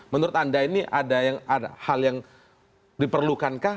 menurut anda ini ada hal yang diperlukankah